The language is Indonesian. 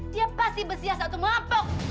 dia pasti bersiasat untuk mampuk